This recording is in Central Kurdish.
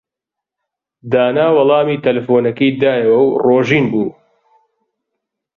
دانا وەڵامی تەلەفۆنەکەی دایەوە و ڕۆژین بوو.